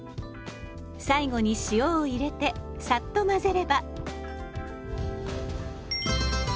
最後に塩を入れてさっと混ぜれば。